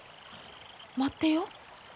待ってよ。